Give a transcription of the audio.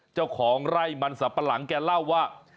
เจ้าของไร่มันสับปะหลังแกเล่าว่า